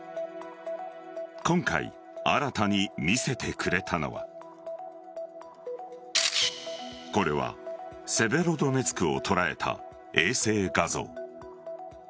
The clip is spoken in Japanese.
今回、新たに見せてくれたのはこれは、セベロドネツクを捉えた衛星画像。